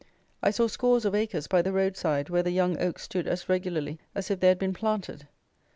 I saw scores of acres by the road side, where the young oaks stood as regularly as if they had been planted.